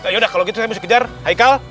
yaudah kalo gitu saya mesti kejar haikal